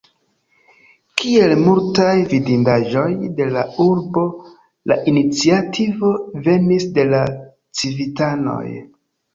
Kiel multaj vidindaĵoj de la urbo la iniciativo venis de la civitanoj.